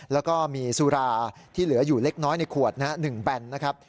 แล้วก็มีสุราที่เหลืออยู่เล็กน้อยในขวด๑แบนนะครับ